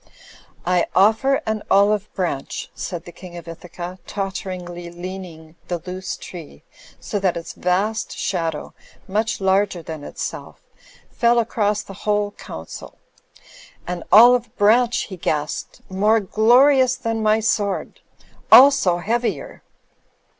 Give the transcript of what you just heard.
"I offer an olive branch," said the King of Ithaca, totteringly leaning the loose tree so that its vast shad ow, much larger than itself, fell across the whole council. "An olive branch," he gasped, "more glorious than my sword. Also heavier."